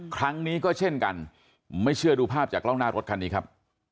ครั้งนี้ก็เช่นกันไม่เชื่อดูภาพจากกล้องหน้ารถคันนี้ครับ